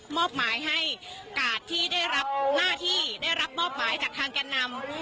มอบหมายให้กาดที่ได้รับหน้าที่ได้รับมอบหมายจากทางแก่นำ